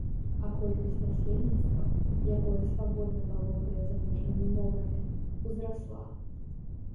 А колькасць насельніцтва, якое свабодна валодае замежнымі мовамі, узрасла.